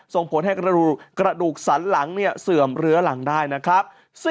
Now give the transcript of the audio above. ส่งผลให้กระดูกสันหลังเสื่อมเรื้อหลังได้นะครับ